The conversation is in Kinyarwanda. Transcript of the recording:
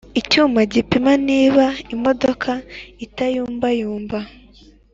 Icyuma gipima niba imodoka itayumbayumba